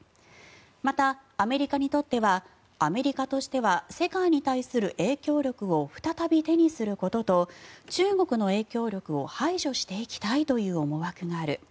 また、アメリカにとってはアメリカとしては世界に対する影響力を再び手にすることと中国の影響力を排除していきたいという思惑がある。